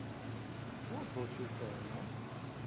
What boat you sailing on?